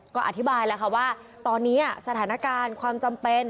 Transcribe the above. ก็อธิบายแล้วค่ะว่าตอนนี้สถานการณ์ความจำเป็น